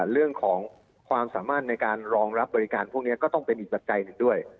เรื่องของความสามารถในการรองรับบริการพวกนี้ก็ต้องเป็นอีกปัจจัยหนึ่งด้วย